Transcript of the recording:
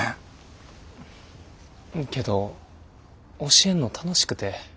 けど教えんの楽しくて。